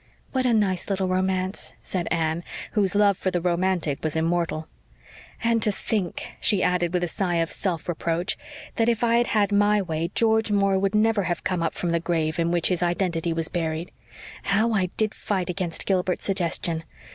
"What a nice little romance," said Anne, whose love for the romantic was immortal. "And to think," she added with a sigh of self reproach, "that if I had had my way George Moore would never have come up from the grave in which his identity was buried. How I did fight against Gilbert's suggestion!